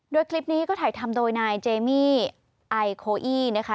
โดยคลิปนี้ก็ถ่ายทำโดยนายเจมี่ไอโคอี้นะคะ